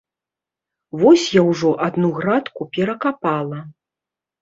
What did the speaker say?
Вось я ўжо адну градку перакапала.